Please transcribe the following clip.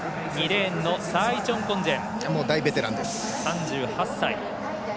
２レーンのサーイチョン・コンジェン。